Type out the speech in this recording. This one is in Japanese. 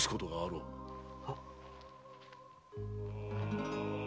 はっ。